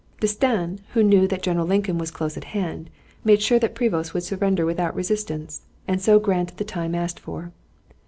D'Estaing, who knew that General Lincoln was close at hand, made sure that Prevost would surrender without resistance, and so granted the time asked for.